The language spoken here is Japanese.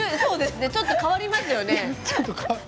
ちょっと変わりましたよね。